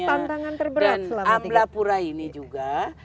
amblapura ini juga